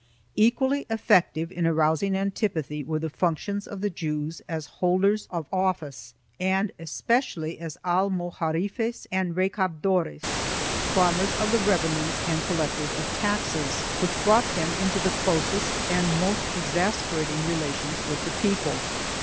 3 Equally effective in arousing antipathy were the functions of the Jews as holders of office and especially as almojarifes and recabdores — farmers of the revenues and collectors of taxes, which brought them into the closest and most exasperating relations with the people.